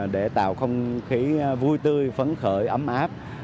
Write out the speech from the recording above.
để tạo không khí vui tươi phấn khởi ấm áp